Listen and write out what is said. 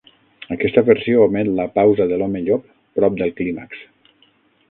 Aquesta versió omet la "pausa de l'home llop" prop del clímax.